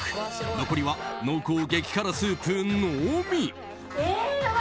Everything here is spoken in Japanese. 残りは濃厚激辛スープのみ。